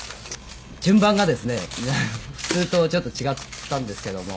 「順番がですね普通とちょっと違ったんですけども」